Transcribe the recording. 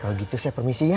kalau gitu saya permisi ya